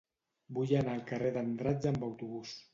Vull anar al carrer d'Andratx amb autobús.